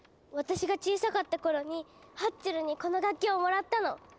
私が小さかった頃にハッチェルにこの楽器をもらったの。